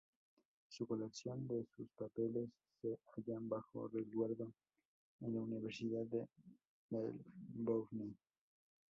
Su colección de sus papeles se hallan bajo resguardo en la Universidad de Melbourne.